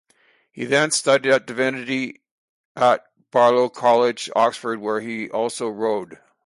He then studied Divinity at Balliol College, Oxford where he also rowed.